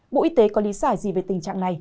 bộ y tế có lý giải gì về tình trạng này